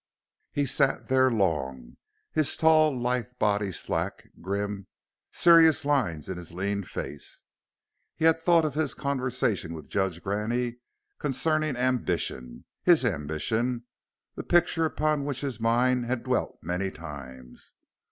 He sat there long, his tall, lithe body slack, grim, serious lines in his lean face. He had thought of his conversation with Judge Graney concerning ambition his ambition, the picture upon which his mind had dwelt many times.